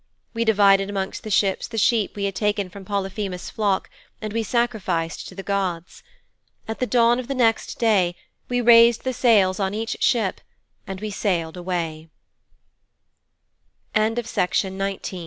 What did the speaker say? We divided amongst the ships the sheep we had taken from Polyphemus' flock and we sacrificed to the gods. At the dawn of the next day we raised the sails on each ship and we sailed away,' V We ca